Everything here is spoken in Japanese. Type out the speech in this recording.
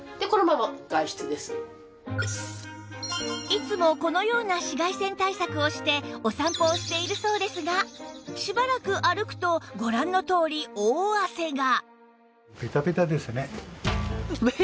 いつもこのような紫外線対策をしてお散歩をしているそうですがしばらく歩くとご覧のとおり大汗が